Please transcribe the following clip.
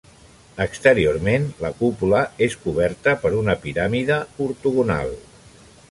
Exteriorment la cúpula és coberta per una piràmide ortogonal.